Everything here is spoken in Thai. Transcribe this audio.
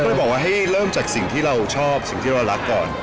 ต้องเริ่มจากสิ่งที่เราชอบที่เรารักก่อน